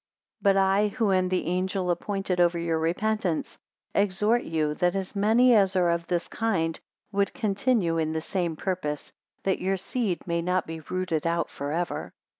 213 But I, who am the angel appointed over your repentance, exhort you, that as many as are of this kind would continue in the same purpose, that your seed may not be rooted out for ever.